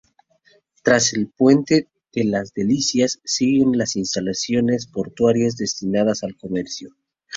Tras el puente de las Delicias siguen las instalaciones portuarias destinadas al comercio.